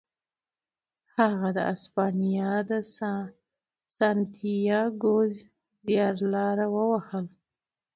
هغه د اسپانیا د سانتیاګو زیارلاره ووهله.